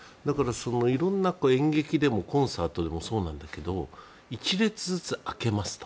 色んな演劇でもコンサートでもそうなんだけど１列ずつ空けますと。